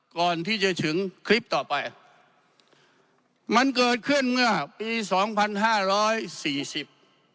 ก่อนที่จะถึงคลิปต่อไปมันเกิดขึ้นเมื่อปีสองพันห้าร้อยสี่สิบ